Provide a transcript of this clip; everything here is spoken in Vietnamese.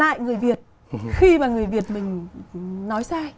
lại người việt khi mà người việt mình nói sai